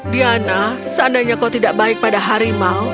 diana seandainya kau tidak baik pada harimau